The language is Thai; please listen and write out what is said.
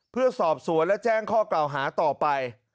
เพื่อสอบสวนและแจ้งข้อกล่าวหาต่อไป